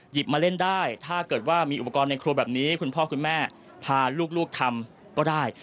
มาเล่นได้ถ้าเกิดว่ามีอุปกรณ์ในครัวแบบนี้คุณพ่อคุณแม่พาลูกทำก็ได้